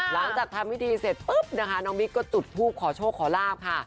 หลังจากทำพิธีเสร็จปุ๊บนะคะน้องบิ๊กก็จุดทูปขอโชคขอลาบค่ะ